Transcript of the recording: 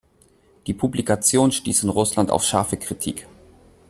Die Publikation stieß in Russland auf scharfe Kritik.